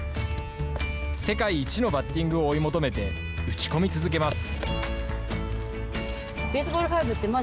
世界一のバッティングを追い求めて、打ち込み続けます。